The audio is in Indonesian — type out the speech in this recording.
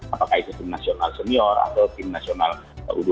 apakah itu tim nasional senior atau tim nasional u dua puluh